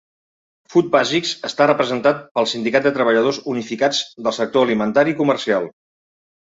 Food Basics està representat pel sindicat de treballadors unificats del sector alimentari i comercial.